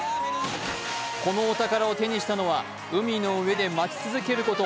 このお宝を手にしたのは海の上で待ち続けること